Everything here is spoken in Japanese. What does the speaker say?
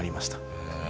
へえ。